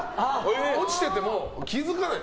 落ちてても気づかない。